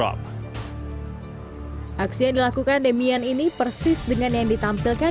au lagi melihatnya di marketing melmurit yang dipadu karena sebuah teknologi yang dirumah serius